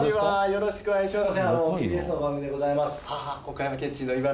よろしくお願いします